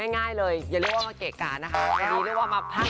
เขาเรียกว่าใช้ร่างกายเลยพี่เมิ้ล